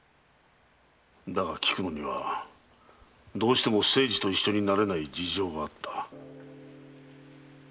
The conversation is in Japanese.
だが菊乃にはどうしても清次と一緒になれない事情があった。